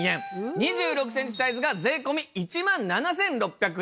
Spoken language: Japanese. ２６センチサイズが税込１万７６００円。